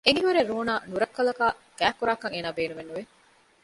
އެނގިހުރެ ރޫނާ ނުރައްކަލަކާ ގާތްކުރާކަށް އޭނާ ބޭނުމެއް ނުވެ